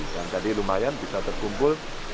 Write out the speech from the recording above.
dan tadi lumayan bisa terkumpul